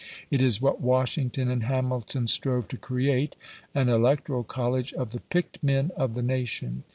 It is, what Washington and Hamilton strove to create, an electoral college of the picked men of the nation.